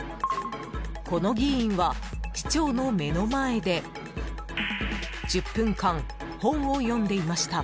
この議員は市長の目の前で１０分間、本を読んでいました。